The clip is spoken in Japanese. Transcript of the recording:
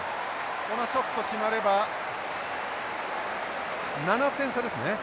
このショット決まれば７点差ですね。